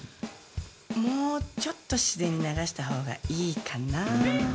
もうちょっと自然に流した方がいいかなあ。